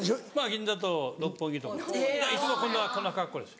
銀座と六本木とかいつもこんな格好です。